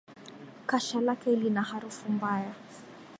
Kasha lake lina harufu mbaya